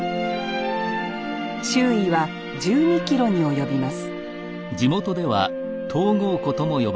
周囲は１２キロに及びます